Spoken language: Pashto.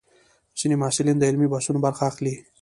ځینې محصلین د علمي بحثونو برخه اخلي.